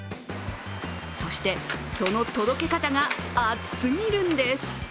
そして、その届け方が暑すぎるんです。